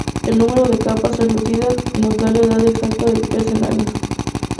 El número de capas translúcidas nos da la edad exacta del pez en años.